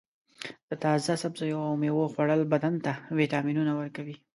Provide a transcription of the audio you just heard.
د تازه سبزیو او میوو خوړل بدن ته وټامینونه ورکوي.